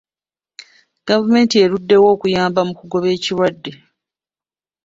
Gavumenti eruddewo okuyamba mu kugoba ekirwadde.